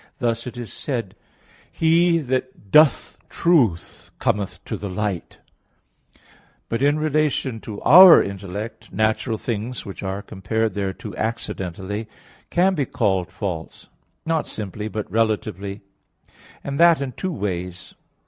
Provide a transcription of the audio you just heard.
Thus it is said, "He that doth truth, cometh to the light" (John 3:21). But in relation to our intellect, natural things which are compared thereto accidentally, can be called false; not simply, but relatively; and that in two ways.